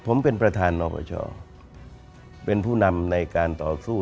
ผมเป็นประธานนปชเป็นผู้นำในการต่อสู้